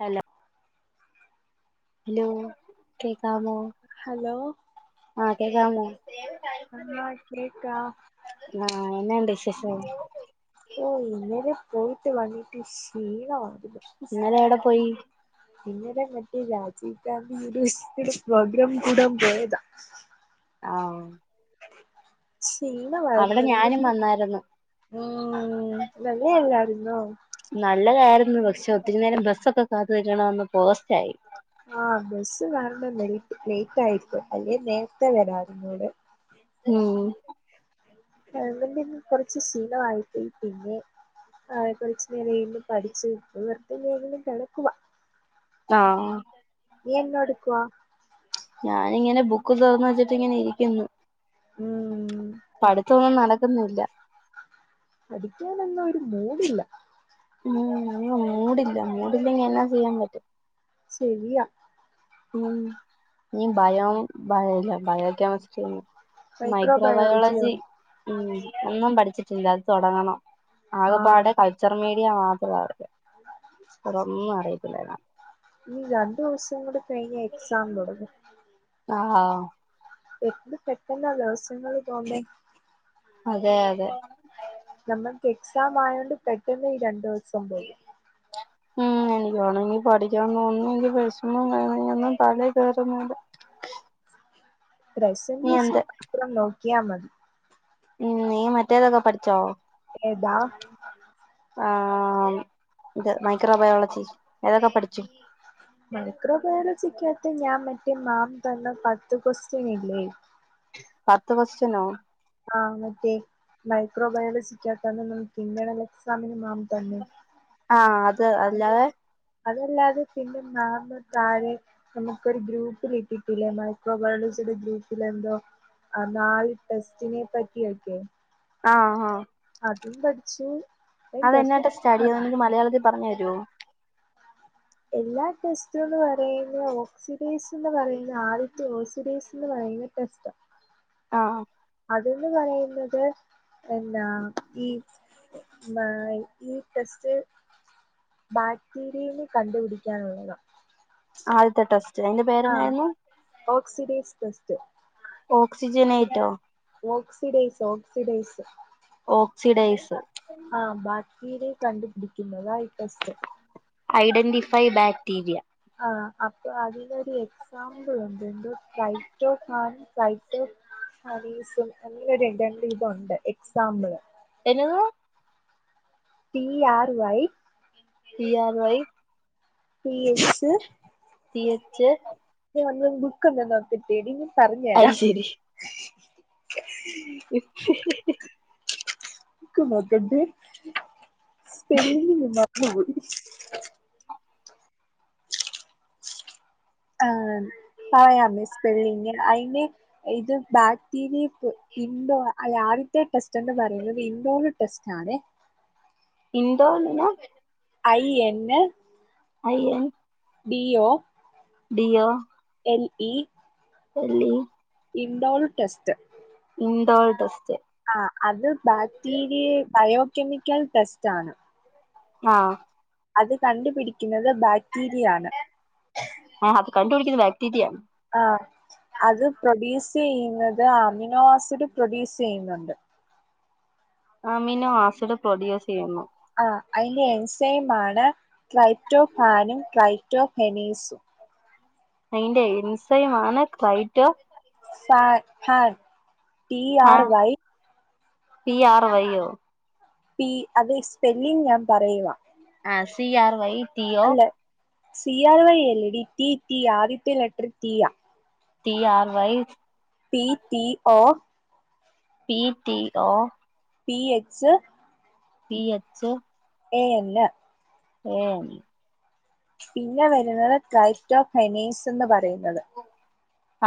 Hello hello കേക്കാമോ hello ആഹ കേക്കാമോ ആ കേക്കാ ആ എന്നണ്ട് വിശേഷം ഓ ഇന്നലെ പോയിട്ട് വന്നിട്ട് ക്ഷീണമായിത് ഇന്നലെ എവിടെ പോയി പിന്നടെ മറ്റേ രാജീവ് ഗാന്ധി യൂണിവേഴ്സിറ്റിടെ പ്രോഗ്രാം കൂടാൻ പോയതാ ആന്നോ അവിടെ ഞാനും ക്ഷീണവരുന്നല്ലേടി വന്നായിരുന്നു ഉം നല്ലേഅല്ലാരുന്നോ നല്ലതായിരുന്നു പക്ഷെ ഒത്തിരി നേരം ബസ്സൊക്കെ കാത്ത്കിട്ടണന്ന് പോസ്റ്റ്‌ ആയി ആഹ ബസ്സ് കാരണം ലേറ്റ് ലേറ്റ് ആയിപോയി അല്ലേ നേരത്തെ വരാരുന്നല്ലേ ഉം ഗവൺമെന്റിന് കൊറച്ച് ശീലആയിപ്പോയി പിന്നെ ആഹ് ഇപ്പാ ഇച്ചിരിവീണ്ടും പഠിച്ചു എന്ന പിന്നെ ഇങ്ങനെ കെടക്കുവ ആഹ് നീ എന്നോടുക്കുവ ഞാനിങ്ങനെ ബുക്ക് തോറന്നു വെച്ചിട്ട് ഇങ്ങനെ ഇരിക്കുന്ന് ഉം പഠിത്തൊന്നും നടക്കുന്നില്ല പഠിക്കാനൊന്നും ഒരു മൂടില്ല ഉമ് ഇന്ന് മൂടില്ല മൂടില്ലെങ്കി എന്നാ ചെയ്യാൻ പറ്റും ശരിയാ ഉമ് നീ ബയോ ഇല്ല ബയോ കെമിസ്ട്രി മൈക്രോബയോളജിയോ മൈക്രോബയോളജി ഉം ഒന്നും പഠിച്ചിട്ടില്ല അത് തൊടങ്ങണം ആഹ് ആകെപാടെ കൾച്ചർ മീഡിയ മാത്രം അറിയാം വേറൊന്നും അറിയത്തില്ല ഇനി രണ്ടു ദിവസം കൂടി കഴിഞ്ഞ എക്സാം തൊടങ്ങും [unintelligible] എത്ര പെട്ടെന്നാ ദിവസ്യങ്ങൾ തോന്നേ അതെ അതെ നമ്മൾക്ക് എക്സാം ആയോണ്ട് പെട്ടെന്ന് ഈ രണ്ടു ദിവസം പോയി ഉ എനക്ക്ണമെങ്കിൽ പഠിക [unintelligible] ഒന്നും തല കേറൂന്നില്ല നീ പ്രസന്റേഷൻ എന്ത് മാത്രം നോക്കിയാൽ മതി ഉം നീ മറ്റേതൊക്കെ പഠിച്ചോ ഏതാ ആഹ് ഇത് മൈക്രോബയോളജി ഏതൊക്കെ പഠിച്ച് മൈക്രോബയോളജിക്കകത്ത് ഞാൻ മറ്റേ മാം തന്ന പത്ത് ക്വസ്റ്റ്യൻ ഇല്ലേ പത്ത് ക്യുഎസ്ടിയനൊ ആഹ മറ്റേ മൈക്രോ ബയോളജിക്കകത്ത നമുക്ക് പിന്നണ എക്സാമിന് മാം തന്നെ ആഹ് അത് അല്ലാതെ അതല്ലാതെ പിന്നെ മാമ് താഴെ നമുക്കൊരു ഗ്രൂപ്പിൽ ഇട്ടിട്ടില്ലേ മൈക്രോബയോളായിടെ ഒരു ഗ്രൂപ്പില എന്തോ ആ നാല് ടെസ്റ്റിനെ പറ്റിയൊക്കെ ആഹ് ആഹ് അതും പഠിച്ചു അതെന്ന ടെസ്റ്റ്‌ട്ടാഡി ഡെഫിനറ്റ് അതൊന്ന് മലയാള പറഞ്ഞു തരോ എല്ലാ ടെസ്റ്റന്ന് പറയുന്നത് ഓക്സിഡൈസ് എന്ന് പറയുന്നത് ആദ്യത്തെ ഓസിഡൈസ് എന്ന് പറയുന്നത് [unintelligible] ആഹ് അതന്ന് പറയുന്നത് എന്ന ഈ മ ഈ ടെസ്റ്റ് ബാക്ടീരിയയെ കണ്ടുപിടിക്കാനുള്ളത ആദ്യത്തെ ട്രസ്റ്റ് അതിന്റെ ആ പേര്ന്നായിരുന്നു ഓക്സിഡേസ് സ്റ്റ് ഓക്സിജനെട്ടോ ഓക്സിഡേസ് ഓക്സിഡേസ് ഓക്സിഡൈസ് ആഹ് ബാക്ടിറിയേ കണ്ടപിടിക്കുന്നത ഇ ടെസ്റ്റ് ഐഡന്റിഫൈ ബാക്ടീരിയ ആഹ് അപ്പൊ അതി ഒരു സാമ്പുളുണ്ട് എ ഫൈറ്റോൻ ഫൈറ്റ ഹഫ് അങ്ങെ രണ്ട് ഇതു ഉണ്ട് എക്സാമ്പിള് എന്നതാ T R Y T R Y P [unintelligible] T H ഒന്ന്ന്ന് ബുക്ക്ന്ന നോക്കട്ടേ ഡി ഇൻ പറഞ് അത് തരാം ശരി ഇ [unintelligible] ഇക്ക മാക്കണ്ട സ്പെല്ലിങ് മറന്നുപോയി ആ പറയാമി സ്പെല്ലിങ് അയിന് ഇത് ബാക്ടീരിയ ഇൻഡോർ അയ ആദ്യത്തെ ടെസ്റ്റ് എന്ന് പറയുന്നത് ഇൻഡോർ ടെസ്റ്റ് ആണ Indo [unintelligible] I N I N D O D O L E എല്ലീ indole test indole test ആഹ് അത് ബാക്ടീരിയ ബയോകെമിക്കൽ ടെസ്റ്റ് ആണ്. ആഹ് അത് കണ്ടുപിടിക്കുന്നത് ബാക്ടീരിയ ആണ്. ആഹ് അത് കണ്ടു പിടിക്കണ ബാക്റ്റീ യ ആഹ് അത് പ്രൊഡ്യൂസ് ചെയ്യുന്നത് അമിനോ ആസിഡ് പ്രൊഡ്യൂസ് ചെയ്യുന്നുണ്ട് അമിനോ ആസിഡ് പ്രൊഡ്യൂസ് ചെയ്യുന്നു ആ അയ്ന്റെ എൻസൈമാണ് ക്ലൈറ്റോ പാനും ക്ലൈറ്റോ ഹെനീസും അയ്ന്റെ എൻസൈമാണ് ക്ലൈട്ടോ പാൻ ഹാൻ ടി ആർ ആഹ് വൈ പി ആർ വയ്യോ പി അത് സ്പെല്ലിങ് ഞാൻ പറയുവാ ആഹ് C R Y T O അല്ല സി ആർ വൈ എല്ലടീ റ്റി റ്റി ആദ്യത്തെ ലെട്ടർ റ്റീയാ T R Y P T O P T O P H P H A എന്ന് എൻ പിന്നെ വരുന്നത് ക്രൈറ്റോ ഹെനീസ് എന്ന് പറയുന്നത്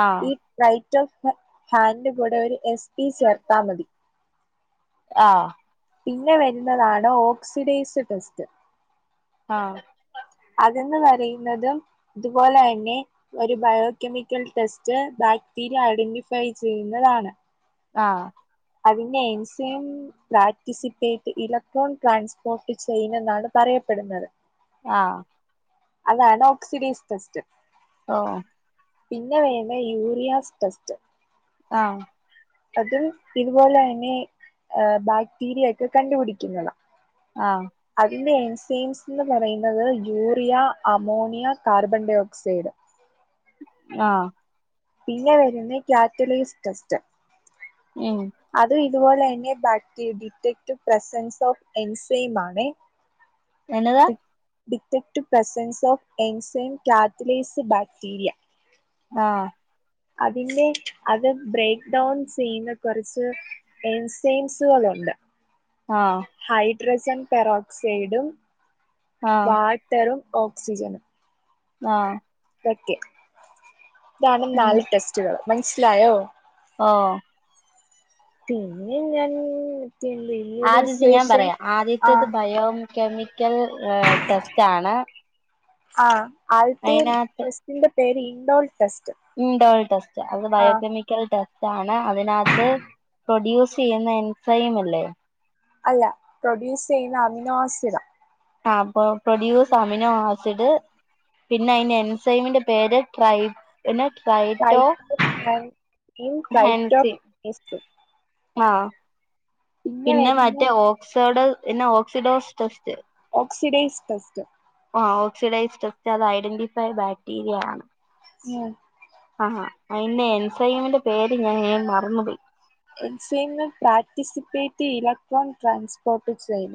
ആഹ് ഈ ക്രൈറ്റൊഫ് ഹാൻന്റെ കൂടെ ഒരു എസ് പി ചേർത്താ മതി. ആഹ് പിന്നെ വരുന്നതാണ് ഓക്സിഡൈസ്ഡ് ടെസ്റ്റ് ആഹ് അതന്ന് പറയുന്നതും ഇതുപോലെ തന്നെ ഒരു ബയോകെമിക്കൽ ടെസ്റ്റ് ബാക്ടീരിയ ഐഡന്റിഫൈ ചെയ്യുന്നതാണ്. ആഹ് അതിന്റെ enzyme participate electron transport chain എന്നാണ് പറയപ്പെടുന്നത്. ആഹ് അതാണ് ഓക്സിഡീസ് ടെസ്റ്റ് ഓഹ് പിന്നെ വേണ്ട യൂറിയാസ് ടെസ്റ്റ് ആഹ് അത് ഇതുപോലേന്നെ ബാക്ടീരിയ ഒക്കെ കണ്ടുപിടിക്കുന്നതാ ആഹ് അതിന്റെ എൻസൈൻസ് ന്ന് പറയുന്നത് urea, ammonia, carbon dioxide ആഹ് പിന്നെ വരുന്ന കാറ്റലീസ് ടെസ്റ്റ് ഉം അത് ഇതുപോലെ തന്നെ ബാക്ടീരി ഡിറ്റക്റ്റീവ് പ്രസൻസ് ഓഫ് എൻസെം ആണ്. എന്നതാ detective presence of enzyme catalase bacteria ആഹ് അതിന്റെ അത് ബ്രേക്ക് ഡൗൺ ചെയ്യുന്ന കൊറച്ച് എയിൻസയിൻസുലുണ്ട് ആഹ് ഹൈഡ്രജൻ പെറോക്സൈഡും ആഹ് വാട്ടറും ഓക്സിജനും ആഹ് ഓക്കെ ഇതാണ് ഉം നാല് ടെസ്റ്റുകൾ മനസ്സിലായോ ആഹ് പിന്നെ ഞാൻ എത്തിയണ്ട് ആദ്യത്തെ ഞാൻ പറയാം ആദ്യത്തത് ബയോകെമിക്കൽ ടെസ്റ്റ് ആണ് ആഹ് ആൽത്തേർ അതിനകത്ത് ടെസ്റ്റിന്റെ പേര് ഇൻഡോൾ ടെസ്റ്റ് ഇൻഡോൽ ടെസ്റ്റ് അത് ആ ബയോകെമിക്കൽ ടെസ്റ്റ് ആണ് അതിനകത്ത് പ്രൊഡ്യൂസ് ചെയ്യുന്ന എൻസൈമല്ലേ അല്ല പ്രൊഡ്യൂസ് ചെയ്യുന്ന അമിനൊ ആസിഡ് ആഹ് അപ്പൊ പ്രൊഡ്യൂസ് അമിനോ ആസിഡ് പിന്നെ അയ്ന്റെ എൻസൈമിന്റെ പേര് ട്രൈബ് പിന്നെ ട്രൈറ്റോ ഹൻസി എസ്റ്റ് ആഹ് പിന്നെ മറ്റേ ഓക്സോഡോ പിന്നെ ഓക്സിഡോസ് ടെസ്റ്റ് ഓക്സിഡൈസ് ടസ്റ്റ് ആഹ് ഓക്സിഡൈസ് ഡസ്റ്റ് അത് ഐഡന്റിഫൈ ബാക്ടീരിയ ആണ് ഉം ആഹാ അയ്‌ന്റെ എൻസൈമന്റെ പേര് ഞാൻ മറന്നുപയി enzyme participate electronic transport chain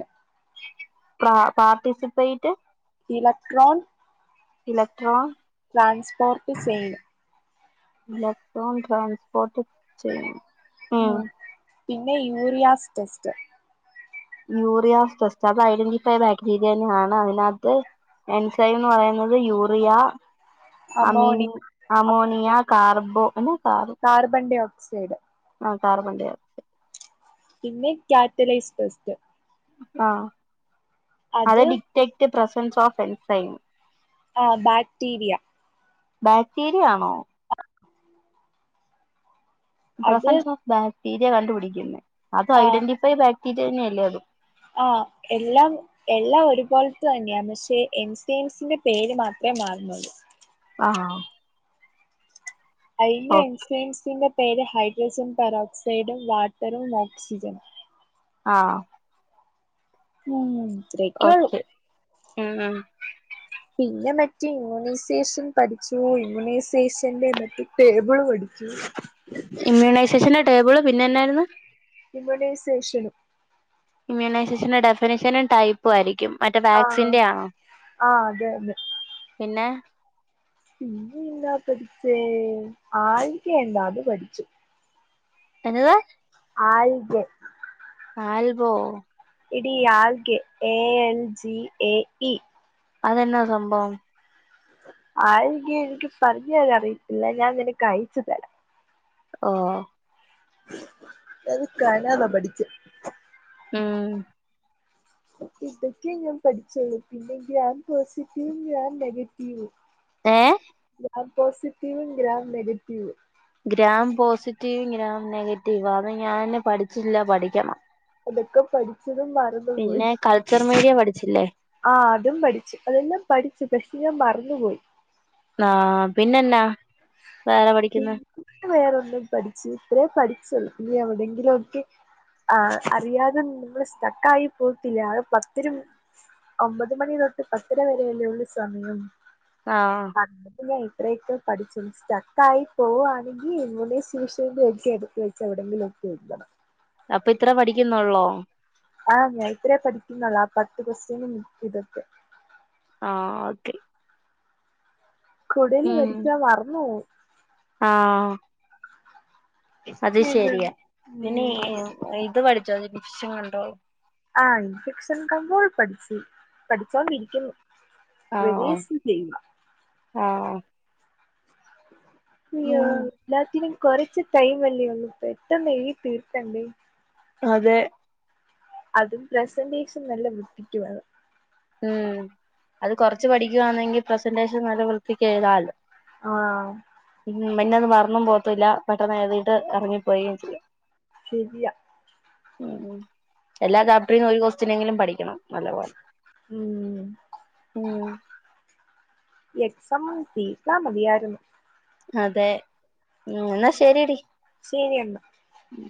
പ participate electron electro transport sale electron transport chain ഉം പിന്നെ യൂറിയാസ് ടെസ്റ്റ് യൂറിയസ്റ്റ് അത് ഐഡന്റിൈഫൈ ബാക്ടീരിയ തന്നെയാണ് അതിനകത്ത് എൻസൈന്ന് പറയുന്നത് യൂറിയ അമ അമോണിയ അമോണിയ കാർബോന കബ കാർബൺ ഡൈഓക്സൈഡ് ആഹ് കാർബൺ ഡൈ പിന്നെ കാറ്റലൈസ് ടെസ്റ്റ് ആഹ് അത് ഡിറ്റക്റ്റ് പ്രസൻസ് ഓഫ് എൻസേം ആഹ് ബാക്ടീരിയ ബാക്ടീരിയ ആണോ അത് പ്രസൻസ് ഓഫ് ബാക്ടീരിയ കണ്ടുപിടിക്കുന്നത് അത ആ ഐഡന്റിഫൈ ബാക്ടീരിയ തന്നെയല്ലേ അതും ആഹ് എല്ലാം എല്ലാം ഒരുപോലത്ത തന്നെയാണ് പക്ഷേ എം സംസിന്റെ പേര് മാത്രമേ മാറുന്നുള്ളൂ ആഹ അയ്ന്റെ ഓ എൻസലൻസിന്റെ പേര് ഹൈഡ്രോജൻ പെറോക്സൈഡും വാട്ടറും ഓക്സിജൻ ആഹ് ഉം ഇത്രയൊക്കെ ഉള്ളൂ ഓക്കെ ഉം ഉം പിന്നെ മറ്റെ ഇമ്മ്യൂണൈസേഷൻ പഠിച്ചു ഇമ്മ്യൂണൈസേഷൻന്റെ മെ ടേബിള് പഠിച്ചു ഇമ്മ്യൂണൈസേഷന്റെ ടേബിള് പിന്നെ എന്നായിരുന്നു ഇമ്യുണൈസേഷനും ഇമ്മ്യൂണൈസേഷന്റെ ഡെഫിനേഷന ടൈപ്പ് യിരിക്കും മറ്റേ ആ വാക്സിന്റെ ആണോ ആ അതെ പിന്നെ പിന്നന്താ പഠിച്ചേ ആ [unintelligible] എന്താത് പഠിച്ചു എന്നതാ ആൽകെ ആൽബോ എടീ അൽകെ A L G A E അതെന്നാ സംഭവം ആയിങ്ക എനിക്ക് പറഞ്ഞ് തരാൻ അറിയില്ല ഞാൻ നിനക്ക് അഴച്ചു തരാം ഓ എത്ക്കനത പഠിച്ചു ഉം ഇതൊക്കെയ ഞാൻ പഠിച്ചുള്ളു പിന്നെ ഗ്രാൻ പോസിറ്റീവും ഗ്രാൻ നെഗറ്റീവും ഏഹ് ഗ്രാൻ പോസിറ്റീവും ഗ്രാൻ നെഗറ്റീവും ഗ്രാം പോസിറ്റീവും ഗ്രാം നെഗറ്റീവും അത് ഞാൻ പഠിച്ചില്ല പഠിക്കണം അതൊക്കെ പഠിച്ചതും മറന്ന് പോയി ക്കെ പഠിച്ചില്ലേ ആ അതും പഠിച്ചു അതന്നാ പഠിച്ചു പക്ഷെ ഞാൻ മറന്ന് പോയി ആഹ് പിന്നെന്നാ വേറെ പഠിക്കുന്ന വേറെ ഒന്നും പഠിച്ചു ഇത്രേം പഠിച്ച് നി എവിടെയെങ്കിലും ഒക്കെ ആ അറിയാതെ നമ്മള് സ്റ്റക്ക് ആയി പോകത്തില്ലേ ആ പത്തിരും ഒമ്പത് മണി തൊട്ട് പത്തര വരെയല്ലേ ഉള്ളൂ സമയം ആഹ് [unintelligible] ഇത്രയൊക്കെ പഠി സ്റ്റാക്കായി പോവാണെങ്കി ഇങ്ങെ സഷ എ എടുത്ത് വെച്ച് എവിടെങ്കിലും ഒക്കെ എത്തണം അപ്പൊ ഇത്ര പഠിക്കുന്നൊള്ളോ ആഹ് ഞാൻ ഇത്രയേ പഠിക്കുന്നുള്ള ആ പത്ത് ക്വസ്റ്റ്യന് ഇതൊക്കെ ആഹ് ഓക്കെ കുടല് പഠിച്ച മറന്ന് പോകും ആഹ് അത് ശരിയ പിന്നെ ഉം ഇത് പഠിച്ചോ ഇൻഫെക്ഷൻ കണ്ട്രോൾ ആ ഇൻഫെക്ഷൻ കമ്പോൾ പഠിച്ചു പഠിച്ചോണ്ടിരിക്കുന്നു ആണോ പ്രദേശം സെയിമ ആഹ് അയ്യോ ഉം എല്ലാത്തിലു കൊറച്ച് ടൈം അല്ലേ ഉള്ളൂ പെട്ടെന്ന് എഴുതി തീർകണ്ടേ അതെ അതും പ്രസന്റേഷൻ നല്ല വൃത്തിക്കുവേണം ഉം അത് കൊറച്ച് പഠിക്കുകവാണെങ്കിൽ പ്രസന്റേഷൻ നല്ല വൃ ത്തിക്ക് എഴുതാലോ ആഹ് ഉം പിന്നത് മറന്നും പോവത്ത്ല്ല പെട്ടെന്ന് എഴുതിയിട്ട് ഇറങ്ങി പോകയും ചെയ്യാം ശരിയ ഉം എല്ലാ ചാപ്റ്ററിന്നും ഒരു കൊസ്റ്റിനെങ്കിലും പഠിക്കണം നല്ല പോലെ ഉം ഉം എക്സാം ഒന്നു ജയിച്ച മതിയായിരുന്നു അതെ ഉം ന്നാ ശരിയടി ശരി എന്നാ ഉം